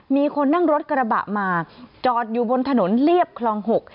มีคนนั่งรถกระบะมาจอดอยู่บนถนนเรียบคลองหก